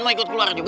mau ikut keluar juga